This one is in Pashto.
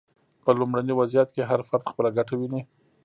په لومړني وضعیت کې هر فرد خپله ګټه ویني.